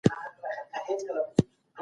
زمری پرون تر ډېره وخته پوري په باغ کي وو.